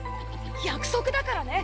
約束だからね